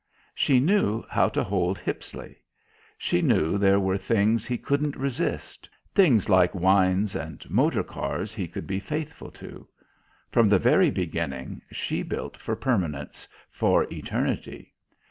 She knew how to hold Hippisley. She knew there were things he couldn't resist, things like wines and motor cars he could be faithful to. From the very beginning she built for permanence, for eternity.